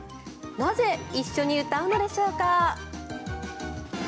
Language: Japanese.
なぜ、一緒に歌うのでしょうか。